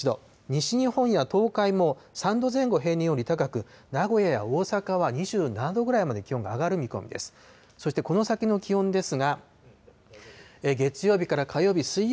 西日本や東海も３度前後平年より高く、名古屋や大阪では２７度ぐらいまで気温が上がる見込みです。